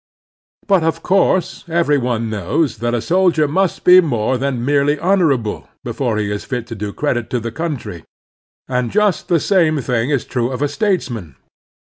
But, of course, every one knows that a soldier must be more than merely honorable before he is fit to do credit to the coxmtry; and just the same thin^ i^ true of a statesman.